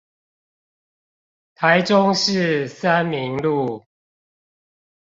台中市三民路